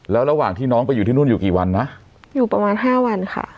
แล้วระหว่างที่น้องไปอยู่ที่นู่นอยู่กี่วันนะอยู่ประมาณห้าวันค่ะ